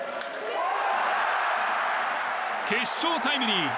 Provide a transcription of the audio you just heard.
決勝タイムリー。